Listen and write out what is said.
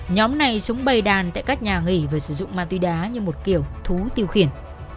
nhóm này súng bày đàn tại các nhà nghỉ và sử dụng ma túy đá như một kiểu thú tiêu khiển